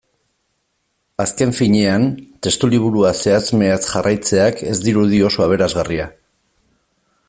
Azken finean, testuliburua zehatz-mehatz jarraitzeak ez dirudi oso aberasgarria.